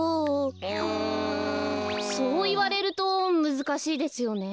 そういわれるとむずかしいですよねえ。